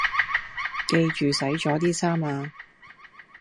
記住洗咗啲衫呀